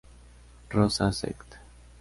Rosa sect.